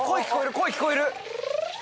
声聞こえる。